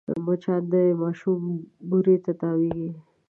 مچان د ماشوم بوري ته تاوېږي